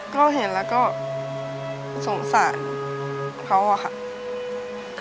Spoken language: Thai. ก็เห็นแล้วก็สงสารเขาอะค่ะ